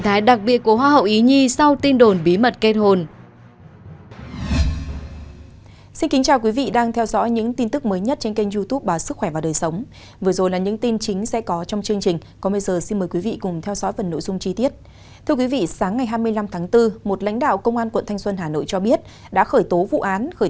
hãy đăng kí cho kênh lalaschool để không bỏ lỡ những video hấp dẫn